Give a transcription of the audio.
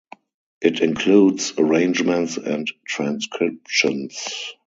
It includes arrangements and transcriptions.